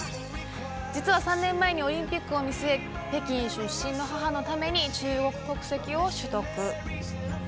実は３年前にオリンピックを見据え、北京出身の母のために中国国籍を取得。